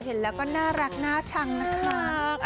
เห็นแล้วก็น่ารักน่าชังนะคะ